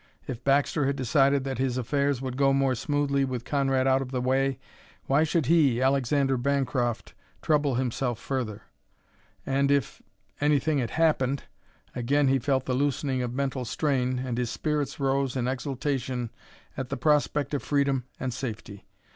If Baxter had decided that his affairs would go more smoothly with Conrad out of the way, why should he, Alexander Bancroft, trouble himself further? And if anything had happened again he felt the loosening of mental strain and his spirits rose in exultation at the prospect of freedom and safety.